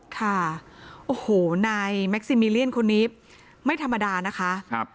นายแม็กซิมิเลียนคนนี้ไม่ธรรมดานะคะ